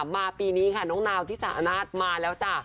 มาปีนี้ค่ะน้องนาวที่สาอนาทมาแล้วจ้ะ